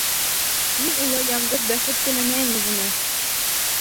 — Мин улай яңғыҙ бәхет теләмәйем үҙемә.